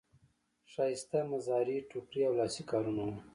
ښایسته مزري ټوکري او لاسي کارونه وو.